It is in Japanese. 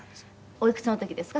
「おいくつの時ですか？